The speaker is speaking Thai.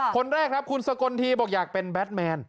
คนแรกครับคุณสกลทีบอกอยากเป็นแบทแมน